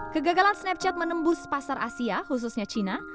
kegagalan snapchat menembus pasar asia khususnya china